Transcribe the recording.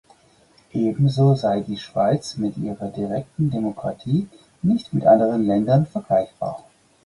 Ebenso sei die Schweiz mit ihrer direkten Demokratie nicht mit anderen Ländern vergleichbar.